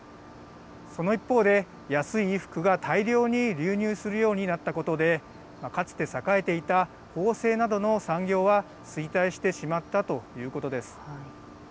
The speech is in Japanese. その一方で安い衣服が大量に流入するようになったことでかつて、栄えていた縫製などの産業は衰退してしまったということです。